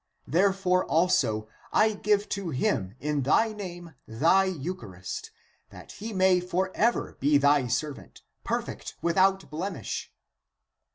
Therefore also I give to him in thy name thy eucha rist, that he may for ever be thy servant, perfect without blemish."